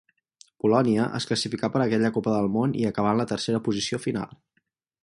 Polònia es classificà per aquella Copa del Món i acabà en la tercera posició final.